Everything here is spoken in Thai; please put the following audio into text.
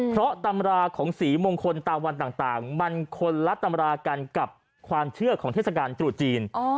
เพราะตำราของสีมงคลตามวันต่างมันคนละตำรากันกับความเชื่อของเทศกาลตรุษจีน